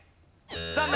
残念。